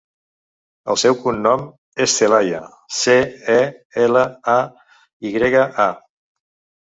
El seu cognom és Celaya: ce, e, ela, a, i grega, a.